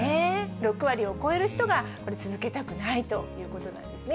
６割を超える人がこれ、続けたくないということなんですね。